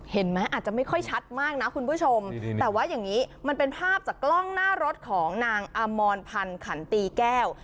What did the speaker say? อาจจะไม่ค่อยชัดมากนะคุณผู้ชมแต่ว่าอย่างนี้มันเป็นภาพจากกล้องหน้ารถของนางอมรพันธ์ขันตีแก้ว